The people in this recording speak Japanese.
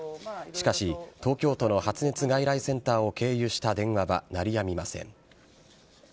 しかし、東京都の発熱外来センターを経由した電話は鳴りやみません。